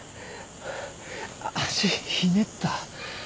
足ひねった？